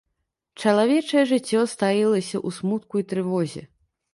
Чалавечае жыццё стаілася ў смутку і трывозе.